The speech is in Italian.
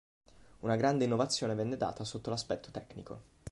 Una grande innovazione venne data sotto l'aspetto tecnico.